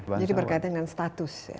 jadi berkaitan dengan status ya